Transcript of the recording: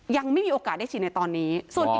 ยังไม่มีโอกาสได้ฉีดในตอนนี้